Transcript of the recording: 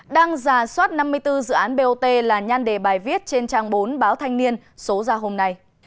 đang giả soát năm mươi bốn dự án bot là nhan đề bài viết trên trang bốn báo thanh niên số ra hôm nay